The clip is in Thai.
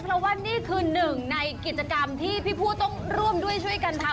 เพราะว่านี่คือหนึ่งในกิจกรรมที่พี่ผู้ต้องร่วมด้วยช่วยกันทำ